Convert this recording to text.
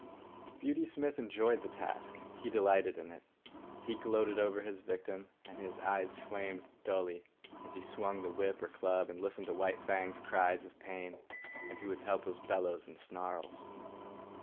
Beauty Smith enjoyed the task. He delighted in it. He gloated over his victim, and his eyes flamed dully, as he swung the whip or club and listened to White Fang's cries of pain and to his helpless bellows and snarls.